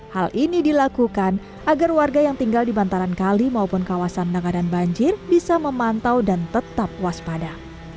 hal ini dilakukan agar warga yang tinggal di bantaran kali maupun kawasan naga dan banjir bisa memantau dan tetap waspada